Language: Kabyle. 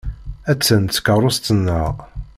Attan tkeṛṛust-nneɣ.